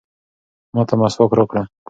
ما ته مسواک راکړه.